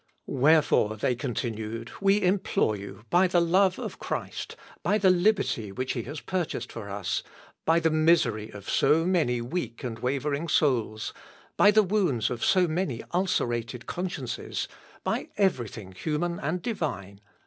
"Wherefore," they continued, "we implore you by the love of Christ, by the liberty which he has purchased for us, by the misery of so many weak and wavering souls, by the wounds of so many ulcerated consciences, by every thing human and divine